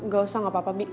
ga usah gapapa bi